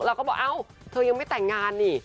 แล้วก็บอกเธอยังไม่แต่งงาน